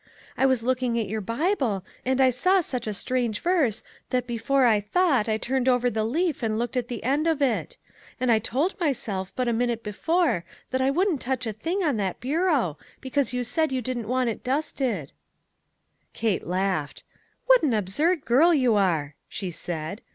I was looking at your Bible, and I saw such a strange verse that before I thought I turned over the leaf and looked at the end of it. And I had told myself but a minute before that I wouldn't touch a thing on that bureau, because you said you didn't want it dusted." 123 MAG AND MARGARET Kate laughed. " What an absurd girl you are !" she said.